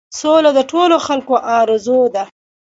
سوله د ټولو خلکو آرزو ده.